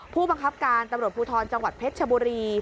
ผู้บังคับการตำรวจภูทรจังหวัดเพชรชบุรี